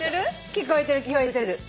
聞こえてる聞こえてる。